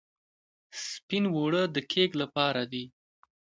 سپین اوړه د کیک لپاره دي.